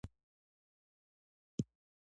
ریښې به «له افغانستانه د باندې ولټوو».